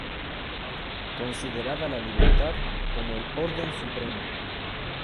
Considera la libertad como el orden supremo.